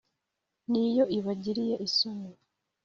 N’iyo ibagiriye isoni